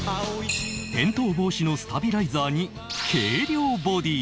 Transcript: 転倒防止のスタビライザーに軽量ボディ